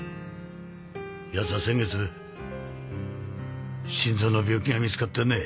奴は先月心臓の病気が見つかってね。